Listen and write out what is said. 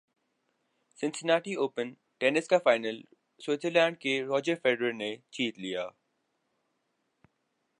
Cincinnati Open tennis کا title Switzerland کے Roger Federer نے جیت لیا